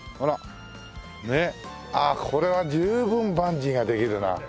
ああこれは十分バンジーができるな。